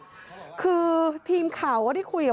พระคุณที่อยู่ในห้องการรับผู้หญิง